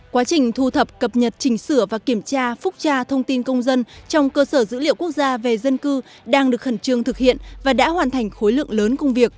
quá trình thu thập cập nhật chỉnh sửa và kiểm tra phúc tra thông tin công dân trong cơ sở dữ liệu quốc gia về dân cư đang được khẩn trương thực hiện và đã hoàn thành khối lượng lớn công việc